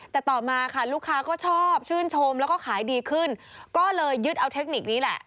แต่ต่อมาค่ะลูกค้าก็ชอบชื่นชมแล้วก็ขายดีขึ้นก็เลยยึดเอาเทคนิคนี้แหละ